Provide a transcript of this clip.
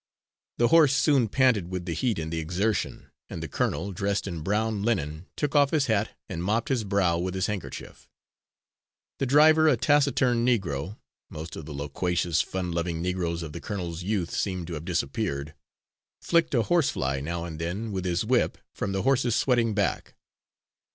The horse soon panted with the heat and the exertion, and the colonel, dressed in brown linen, took off his hat and mopped his brow with his handkerchief. The driver, a taciturn Negro most of the loquacious, fun loving Negroes of the colonel's youth seemed to have disappeared flicked a horsefly now and then, with his whip, from the horse's sweating back.